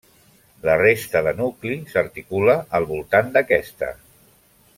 La resta de nucli s'articula al voltant d'aquesta.